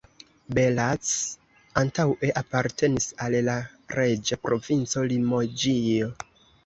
Bellac antaŭe apartenis al la reĝa provinco Limoĝio.